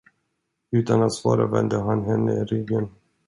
Utan att svara vände han henne ryggen.